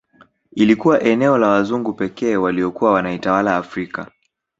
Iilikuwa eneo la wazungu pekee waliokuwa wanaitawala Afrika